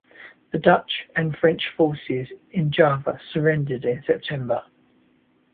The Dutch and French forces in Java surrendered in September.